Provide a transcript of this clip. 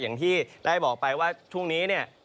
อย่างที่ได้บอกไปว่าช่วงนี้เนี่ย